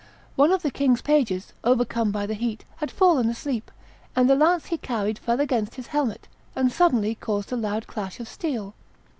One of the king's pages, overcome by the heat, had fallen asleep, and the lance he carried fell against his helmet, and suddenly caused a loud clash of steel.